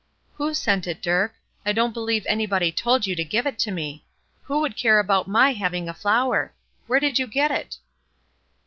"Who sent it, Dirk? I don't believe anybody told you to give it to me. Who would care about my having a flower? Where did you get it?"